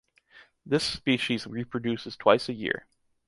This species reproduces twice a year.